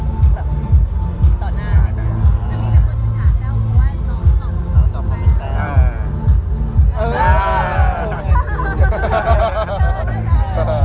จะมีแต่คนสุดชาติแล้วก็เพราะว่าน้องต้องหมอมลูกแก้ม